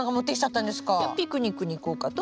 いやピクニックに行こうかと。